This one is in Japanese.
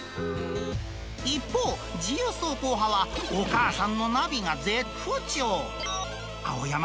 一方、自由走行派は、お母さんのナビが絶不調。